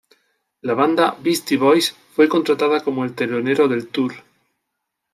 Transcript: La banda Beastie Boys fue contratada como el telonero del "tour".